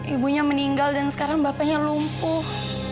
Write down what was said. ibunya meninggal dan sekarang bapaknya lumpuh